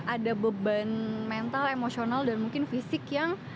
ada beban mental emosional dan mungkin fisik yang